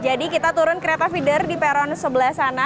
jadi kita turun kereta feeder di peron sebelah sana